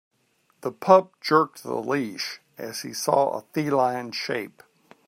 The pup jerked the leash as he saw a feline shape.